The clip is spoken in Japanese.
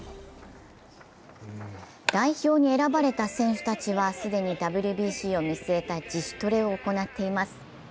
代表に選ばれた選手たちは既にＷＢＣを見据えた自主トレを行っています。